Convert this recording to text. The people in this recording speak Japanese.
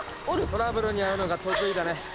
「トラブルに遭うのが得意だね」